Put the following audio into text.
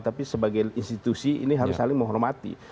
tapi sebagai institusi ini harus saling menghormati